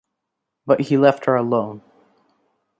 But he left her alone.